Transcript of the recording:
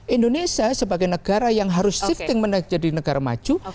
indonesia sebagai negara yang harus shifting menjadi negara maju